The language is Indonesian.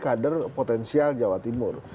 kader potensial jawa timur